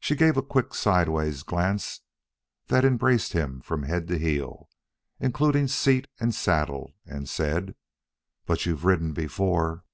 She gave a quick sidewise glance that embraced him from head to heel, including seat and saddle, and said: "But you've ridden before."